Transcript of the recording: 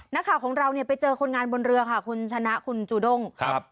นักข่าวของเราเนี่ยไปเจอคนงานบนเรือค่ะคุณชนะคุณจูด้งครับ